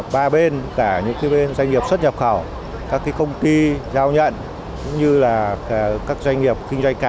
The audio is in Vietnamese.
ba bên cả những doanh nghiệp xuất nhập khẩu các công ty giao nhận cũng như là các doanh nghiệp kinh doanh cá